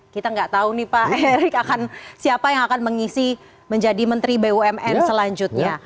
kita nggak tahu nih pak erick akan siapa yang akan mengisi menjadi menteri bumn selanjutnya